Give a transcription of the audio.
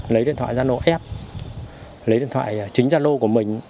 lấy điện thoại gian lô ép lấy điện thoại chính gian lô của mình